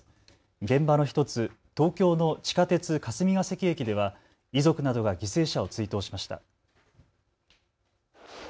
現場の１つ、東京の地下鉄霞ケ関駅では遺族などが犠牲者を追悼しました。